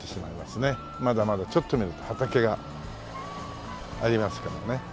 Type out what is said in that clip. まだまだちょっと見ると畑がありますからね。